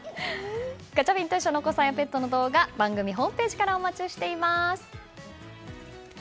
ガチャピンと一緒のお子さんやペットの動画番組ホームページからお待ちしています。